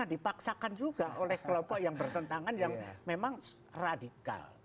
dipaksakan juga oleh kelompok yang bertentangan yang memang radikal